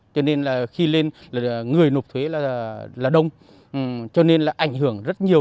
cho nên là khi lên là người nộp thuế là đông cho nên là ảnh hưởng rất nhiều